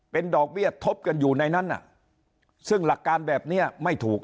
เป็นดอกเบี้ยทบกันอยู่ในนั้นซึ่งหลักการแบบนี้ไม่ถูก